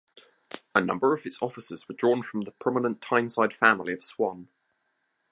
A number of its officers were drawn from the prominent Tyneside family of Swan.